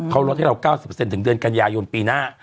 เขาลดให้เรา๙๐ถึงเดือนกันยายนปีหน้า